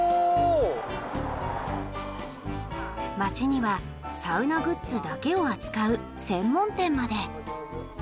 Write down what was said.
街にはサウナグッズだけを扱う専門店まで！